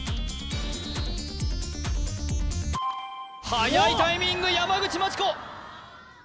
はやいタイミング山口真知子